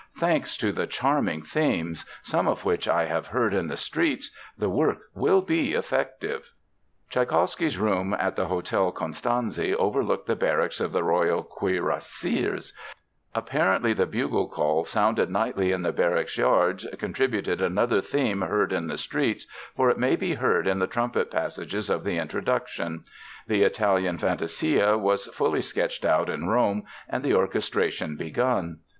"Thanks to the charming themes, some of which I have heard in the streets, the work will be effective." [Illustration: A facsimile of a piece of Tschaikowsky's music, signed by the composer.] Tschaikowsky's room at the Hotel Constanzi overlooked the barracks of the Royal Cuirassiers. Apparently the bugle call sounded nightly in the barracks yards contributed another theme "heard in the streets," for it may be heard in the trumpet passage of the introduction. The Italian Fantasia was fully sketched out in Rome and the orchestration begun.